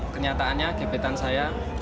kenyataannya gebetan saya